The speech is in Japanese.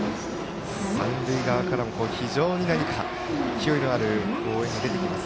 三塁側からも非常に勢いのある応援が出てきます。